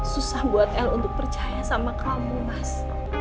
susah buat el untuk percaya sama kamu mas